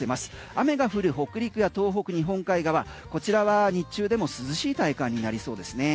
雨が降る北陸や東北、日本海側こちらは日中でも涼しい体感になりそうですね。